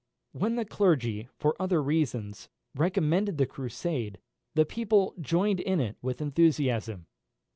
When the clergy, for other reasons, recommended the Crusade, the people joined in it with enthusiasm.